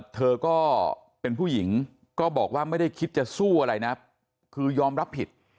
เธอก็เป็นผู้หญิงก็บอกว่าไม่ได้คิดจะสู้อะไรนะคือยอมรับผิด